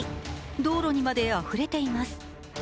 道路にまであふれています。